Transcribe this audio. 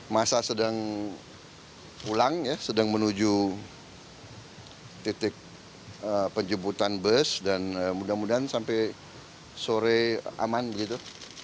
masa sedang pulang ya sedang menuju titik penjemputan bus dan mudah mudahan sampai sore aman begitu